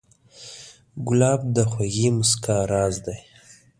ګلاب د خوږې موسکا راز دی.